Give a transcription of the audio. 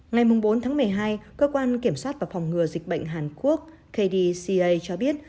ngày bốn tháng một mươi hai cơ quan kiểm soát và phòng ngừa dịch bệnh hàn quốc kdca cho biết